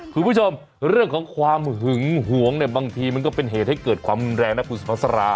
คุณผู้ชมเรื่องของความหึงหวงบางทีมันก็เป็นเหตุให้เกิดความแรงนะครับคุณสมศลา